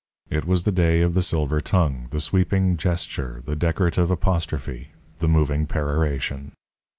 It was the day of the silver tongue, the sweeping gesture, the decorative apostrophe, the moving peroration.